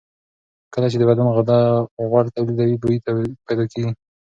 کله چې د بدن غده غوړ تولیدوي، بوی پیدا کېږي.